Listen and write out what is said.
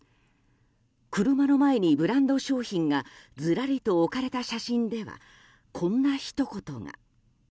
車の前にブランド商品がずらりと置かれた写真ではこんな、ひと言が。